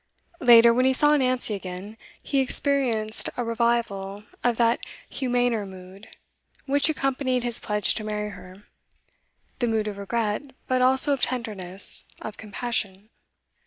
Later, when he saw Nancy again, he experienced a revival of that humaner mood which accompanied his pledge to marry her, the mood of regret, but also of tenderness, of compassion.